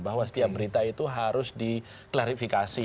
bahwa setiap berita itu harus diklarifikasi